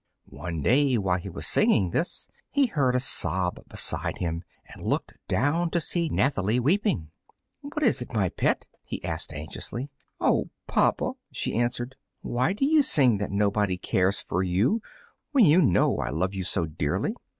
One day, while he was singing this, he heard a sob beside him, and looked down to see Nathalie weeping. "What is it, my pet?" he asked, anxiously. "Oh, papa," she answered, "why do you sing that nobody cares for you, when you know I love you so dearly?"